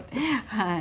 はい。